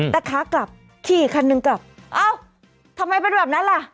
แต่ขากลับขี่คันหนึ่งกลับเอ้าทำไมเป็นแบบนั้นล่ะ